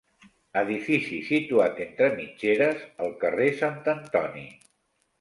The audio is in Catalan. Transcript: Edifici situat entre mitgeres al carrer Sant Antoni.